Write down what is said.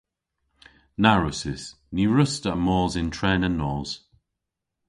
Na wrussys. Ny wruss'ta mos yn tren an nos.